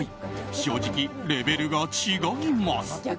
正直、レベルが違います。